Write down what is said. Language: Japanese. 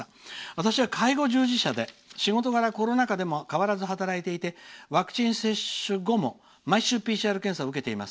私は介護従事者で、仕事柄コロナ禍でも変わらず働いていてワクチン接種後も毎週ＰＣＲ検査を受けています。